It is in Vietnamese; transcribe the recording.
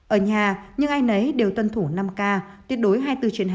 ở nhà những ai nấy đều tân thủ năm k tuyệt đối hai mươi bốn trên hai mươi bốn